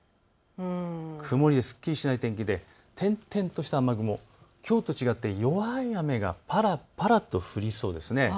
曇りですっきりしない天気で点々とした雨雲、きょうと違って弱い雨がぱらぱらと降りそうです。